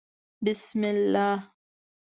_بسم الله.